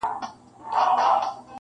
همېشه به د مالِک ترشا روان ؤ,